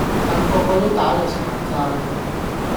但個個都打到殘晒